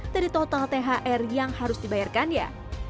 dari total thr yang harus dibayarkan ya